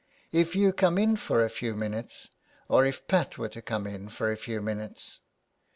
" If you come in for a few minutes, or if Pat were to come in for a few minutes.